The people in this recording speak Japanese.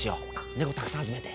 ネコたくさん集めて。